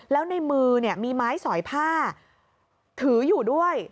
แล้วในมือมีไม้สอยผ้าถืออยู่ด้วย